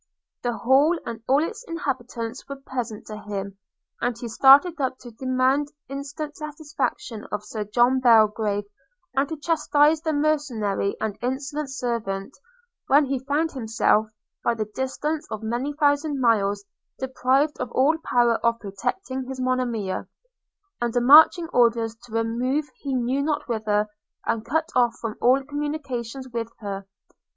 The Hall and all its inhabitants were present to him; and he started up to demand instant satisfaction of Sir John Belgrave, and to chastise the mercenary and insolent servant, when he found himself, by the distance of many thousand miles, deprived of all power of protecting his Monimia, under marching orders to remove he knew not whither, and cut off from all communications with her.